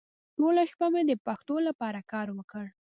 ټوله شپه مې د پښتو لپاره کار وکړ.